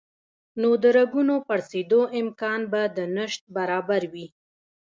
نو د رګونو پړسېدو امکان به د نشت برابر وي